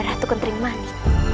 ratu kentering mani